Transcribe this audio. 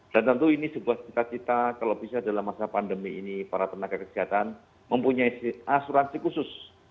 dan tentu ini sebuah cita cita kalau bisa dalam masa pandemi ini para tenaga kesehatan mempunyai asuransi khusus